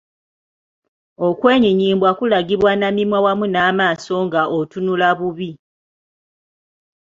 Okwenyinyimbwa kulagibwa na mimwa wamu n’amaaso nga otunula bubi.